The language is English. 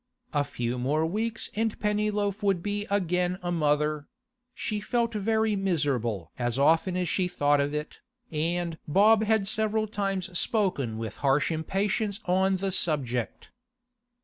A few more weeks and Pennyloaf would be again a mother; she felt very miserable as often as she thought of it, and Bob had several times spoken with harsh impatience on the subject.